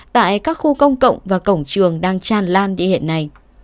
tại các khu công cộng và cổng trường đang tràn lan địa hiện này